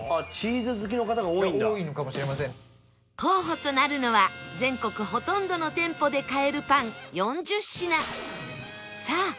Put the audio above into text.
候補となるのは全国ほとんどの店舗で買えるパン４０品